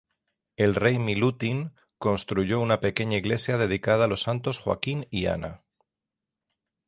El Rey Milutin construyó una pequeña iglesia dedicada a los santos Joaquín y Ana.